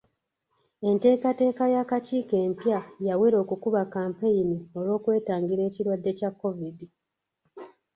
Enteekateeka y'akakiiko empya yawera okukuba kampeyini olw'okwetangira ekirwadde kya COVID.